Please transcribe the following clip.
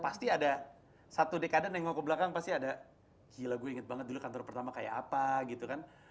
pasti ada satu dekade nengok ke belakang pasti ada gila gue inget banget dulu kantor pertama kayak apa gitu kan